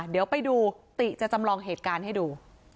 เดี๋ยวไปดูติจะจำลองเหตุการณ์ให้ดู